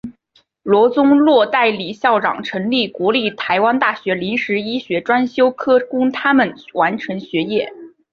罗宗洛代理校长成立国立台湾大学临时医学专修科供他们完成学业。